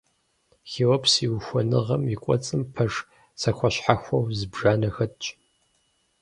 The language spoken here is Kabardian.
Хеопс и ухуэныгъэм и кӀуэцӀым пэш зэхуэщхьэхуэу зыбжанэ хэтщ.